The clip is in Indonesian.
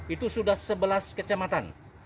itu sudah sebelas kecamatan